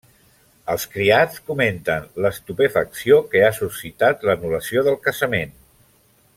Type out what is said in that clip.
Els criats comenten l'estupefacció que ha suscitat l'anul·lació del casament.